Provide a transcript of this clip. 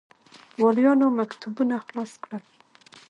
والیانو مکتوبونه خلاص کړل.